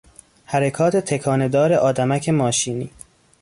حرکات تکانه دار آدمک ماشینی